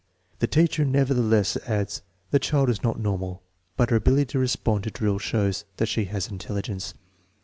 The teacher nevertheless adds, "Tins child is not normal, but her ability to respond 1o drill shows ihat she has intelligence."